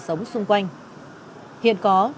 sống xung quanh hiện có